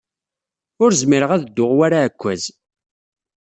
Ur zmireɣ ad dduɣ war aɛekkaz.